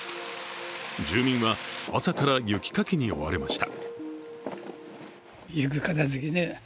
住民は朝から雪かきに追われました。